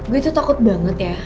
gue itu takut banget ya